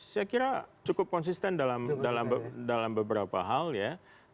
saya kira cukup konsisten dalam beberapa hal ya